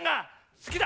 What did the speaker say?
好きだ！